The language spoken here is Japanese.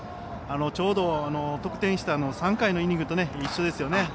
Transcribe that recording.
ちょうど得点した３回のイニングと一緒ですよね。